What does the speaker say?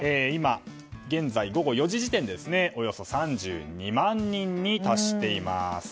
今、午後４時時点でおよそ３２万人に達しています。